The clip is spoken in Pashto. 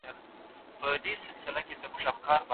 مشران د غونډ په پای کي دعا کوي.